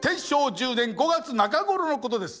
１０年５月中頃のことです。